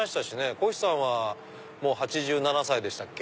こひさんは８７歳でしたっけ？